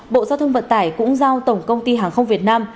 bộ giao thông vận tải cũng giao tổng công ty hàng không việt nam